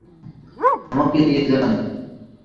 আমাকে নিয়ে যান।